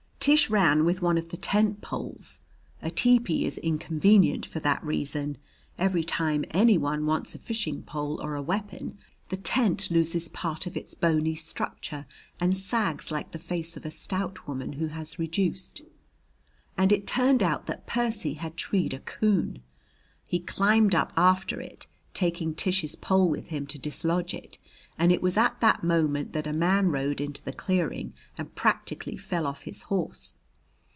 Tish ran with one of the tent poles. A tepee is inconvenient for that reason. Every time any one wants a fishing pole or a weapon, the tent loses part of its bony structure and sags like the face of a stout woman who has reduced. And it turned out that Percy had treed a coon. He climbed up after it, taking Tish's pole with him to dislodge it, and it was at that moment that a man rode into the clearing and practically fell off his horse.